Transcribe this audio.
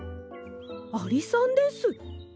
アリさんです！